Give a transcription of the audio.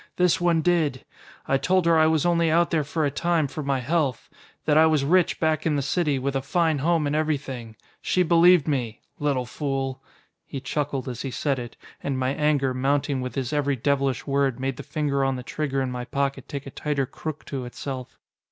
"This one did. I told her I was only out there for a time for my health. That I was rich back in the city, with a fine home and everything. She believed me. Little fool!" He chuckled as he said it, and my anger, mounting with his every devilish word, made the finger on the trigger in my pocket take a tighter crook to itself.